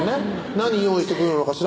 「何用意してくれるのかしら」